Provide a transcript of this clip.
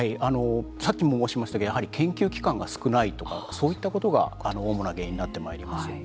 さっきも申しましたけどやはり研究機関が少ないとかそういったことが主な原因になってまいります。